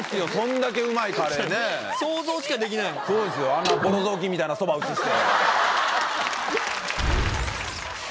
あんなボロ雑巾みたいなそば映して！